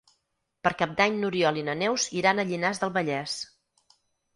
Per Cap d'Any n'Oriol i na Neus iran a Llinars del Vallès.